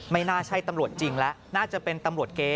น่าใช่ตำรวจจริงแล้วน่าจะเป็นตำรวจเก๊